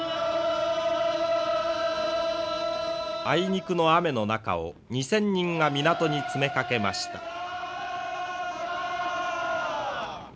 あいにくの雨の中を２，０００人が港に詰めかけました。